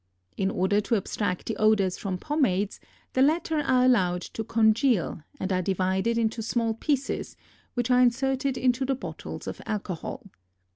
In order to abstract the odors from pomades, the latter are allowed to congeal and are divided into small pieces which are inserted into the bottles of alcohol.